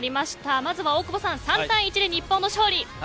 まずは大久保さん３対１で日本の勝利。